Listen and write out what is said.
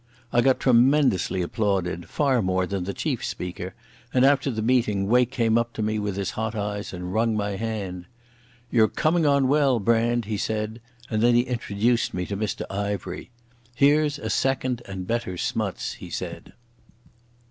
I got tremendously applauded, far more than the chief speaker, and after the meeting Wake came up to me with his hot eyes, and wrung my hand. "You're coming on well, Brand," he said, and then he introduced me to Mr Ivery. "Here's a second and a better Smuts," he said.